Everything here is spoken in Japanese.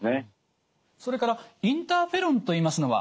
それからインターフェロンといいますのは？